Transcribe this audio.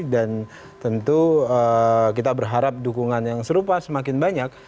dan tentu kita berharap dukungan yang serupa semakin banyak